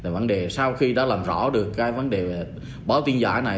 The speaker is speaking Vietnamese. vấn đề sau khi đã làm rõ được cái vấn đề báo tin giả này